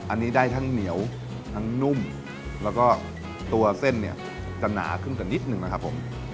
อันนี้ได้ทั้งเหนียวทั้งนุ่มแล้วก็ตัวเส้นเนี่ยจะหนาขึ้นกันนิดหนึ่งนะครับผม